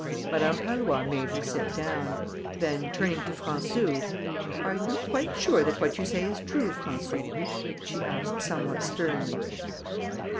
Madame Pallois made her sit down; then, turning to Françou, "Are you quite sure that what you say is true, Françou?" she asked, somewhat sternly.